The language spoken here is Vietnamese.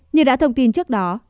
như đã thông tin trước đó